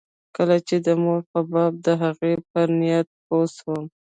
کله چې د مور په باب د هغه پر نيت پوه سوم.